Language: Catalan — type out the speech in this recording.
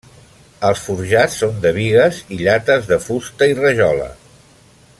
Els forjats són de bigues i llates de fusta i rajola.